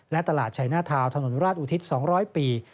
และตลาดชัยหน้าทาวน์ถนนราชอุทิศ๒๐๐ปี